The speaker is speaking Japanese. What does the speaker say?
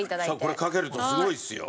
これかけるとすごいっすよ。